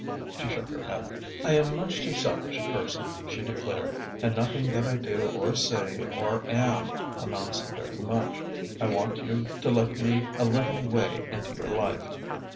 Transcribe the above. She shook her head. "I am much too selfish a person," she declared, "and nothing that I do or say or am amounts to very much. I want you to let me a little way into your life.